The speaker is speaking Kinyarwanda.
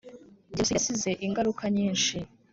Genocide yasize ingaruka nyishi.